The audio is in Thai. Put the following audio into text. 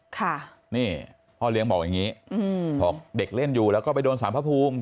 พ่อเลี้ยงบอกอย่างนี้เด็กเล่นอยู่แล้วก็ไปโดนสารพระภูมิ